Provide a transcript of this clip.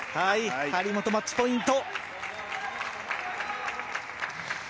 張本マッチポイント。